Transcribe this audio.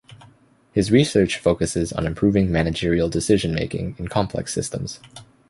His research focuses on improving managerial decision making in complex systems.